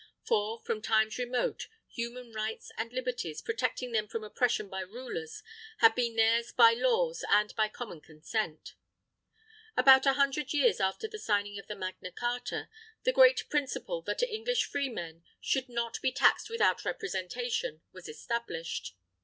For, from times remote, human rights and liberties, protecting them from oppression by rulers, had been theirs by laws and by common consent. About a hundred years after the signing of the Magna Carta, the great principle, that English freemen should not be taxed without representation, was established.